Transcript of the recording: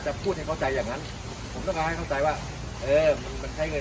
พูดให้เข้าใจอย่างนั้นผมต้องการให้เข้าใจว่าเออมันมันใช้เงิน